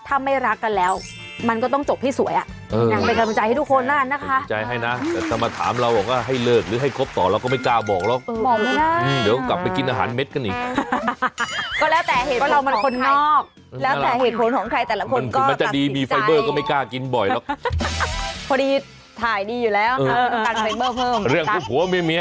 ถ้าไม่รักกันแล้วมันก็ต้องจบที่สวย